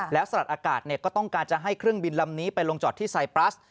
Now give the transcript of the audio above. แล้วสลัดอากาศก็ต้องการจะให้เครื่องบินลำนี้ไปลงจอดที่ไซปรัส